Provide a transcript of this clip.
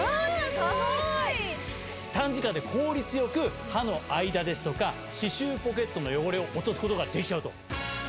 短時間で効率よく歯の間ですとか、歯周ポケットの汚れを落とすことができちゃうと。